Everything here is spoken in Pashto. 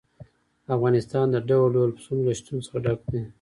افغانستان د ډول ډول پسونو له شتون څخه ډک دی.